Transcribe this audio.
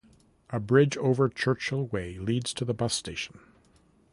A bridge over Churchill Way leads to the bus station.